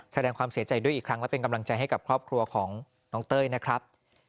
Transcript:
แสดงความเสียใจด้วยอีกครั้งและเป็นกำลังใจให้กับครอบครัวของน้องเต้ยนะครับ